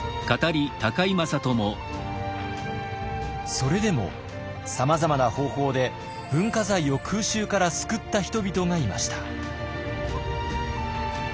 それでもさまざまな方法で文化財を空襲から救った人々がいました。